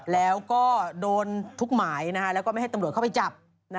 แล้วก็โดนทุกหมายแล้วก็ไม่ให้ตำรวจเข้าไปจับ